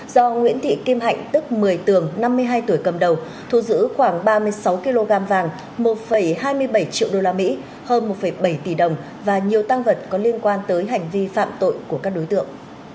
do nguyễn thị kim hạnh tức một mươi tường năm mươi hai tuổi cầm đầu thu giữ khoảng ba mươi sáu kg vàng một hai mươi bảy triệu usd hơn một bảy tỷ đồng và nhiều tăng vật có liên quan tới hành vi phạm tội của các đối tượng